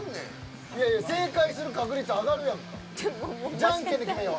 正解する確率上がるやん。